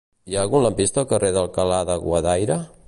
Hi ha algun lampista al carrer d'Alcalá de Guadaira?